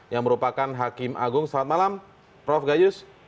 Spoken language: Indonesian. yang merupakan hakim agung selamat malam prof gayus